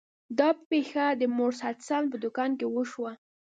دا پیښه د مورس هډسن په دکان کې وشوه.